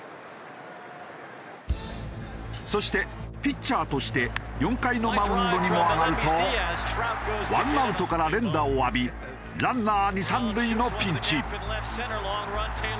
そしてピッチャーとして４回のマウンドにも上がるとワンアウトから連打を浴びランナー２・３塁のピンチ。